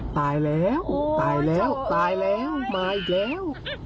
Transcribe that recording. ตายแล้วตายแล้วตายแล้วมาอีกแล้ว